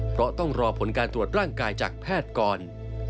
เพราะต้องรอผลการตรวจร่างกายจากแพทย์ก่อน